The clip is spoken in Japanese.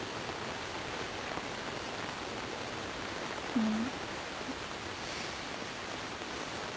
うん。